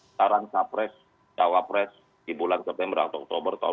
sekarang capres cawapres di bulan september atau oktober dua ribu dua puluh